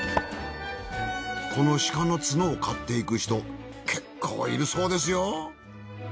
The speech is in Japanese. この鹿の角を買っていく人結構いるそうですよ。